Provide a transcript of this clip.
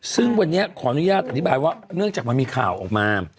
ซึ่งวันนี้ขออนุญาตอธิบายว่าเนื่องจากมันมีข่าวออกมา